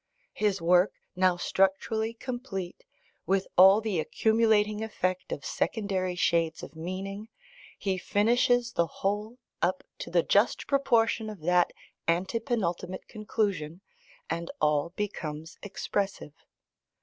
His work now structurally complete, with all the accumulating effect of secondary shades of meaning, he finishes the whole up to the just proportion of that ante penultimate conclusion, and all becomes expressive.